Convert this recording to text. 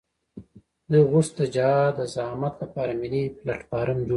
دوی غوښتل د جهاد د زعامت لپاره ملي پلټفارم جوړ کړي.